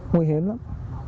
nguy hiểm lắm